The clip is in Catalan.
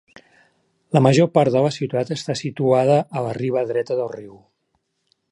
La major part de la ciutat està situada a la riba dreta del riu.